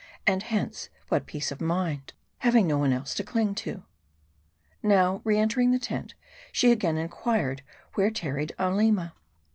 and hence, what peace of mind, having no one else to cling to ? Now re entering the tent, she again inquired where tar ried Aleema.